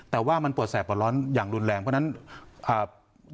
แต่ว่ามันปวดแสบปวดร้อนอย่างรุนแรงเพราะฉะนั้นอ่า